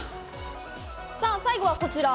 さぁ、最後はこちら。